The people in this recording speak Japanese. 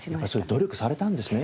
努力されたんですね。